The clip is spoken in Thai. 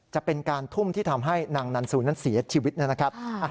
จะเป็นการทุ่มที่ทำให้นางนันซูนั้นเสียชีวิตนะครับ